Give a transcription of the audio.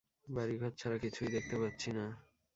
বাড়িঘর ছাড়া কিছুই দেখতে পাচ্ছি না!